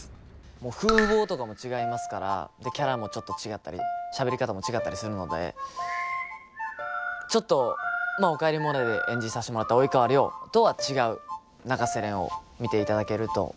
もう風貌とかも違いますからキャラもちょっと違ったりしゃべり方も違ったりするのでちょっと「おかえりモネ」で演じさせてもらった及川亮とは違う永瀬廉を見ていただけると思います。